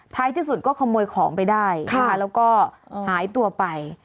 ที่สุดก็ขโมยของไปได้นะคะแล้วก็หายตัวไป